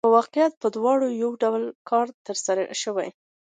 په واقعیت کې په دواړو یو ډول کار ترسره شوی